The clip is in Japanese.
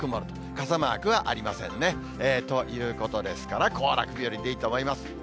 傘マークはありませんね。ということですから、行楽日和でいいと思います。